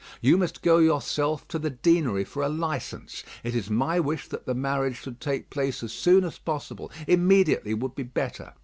You must go yourself to the Deanery for a licence. It is my wish that the marriage should take place as soon as possible; immediately would be better.